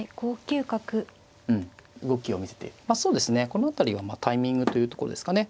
この辺りはタイミングというところですかね。